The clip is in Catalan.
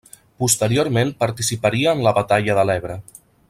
Posteriorment participaria en la batalla de l'Ebre.